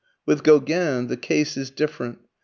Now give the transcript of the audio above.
With Gauguin the case is different.